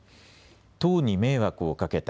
党に迷惑をかけた。